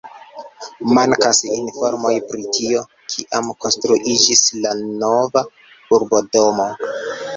Mankas informoj pri tio, kiam konstruiĝis la nova urbodomo.